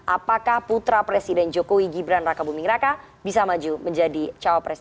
apakah putra presiden jokowi gibran raka buming raka bisa maju menjadi cawapres